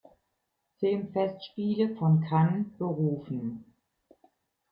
Filmfestspiele von Cannes berufen.